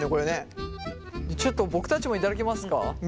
ちょっと僕たちも頂きますか。